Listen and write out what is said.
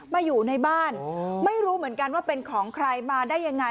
อยู่ในบ้านไม่รู้เหมือนกันว่าเป็นของใครมาได้ยังไง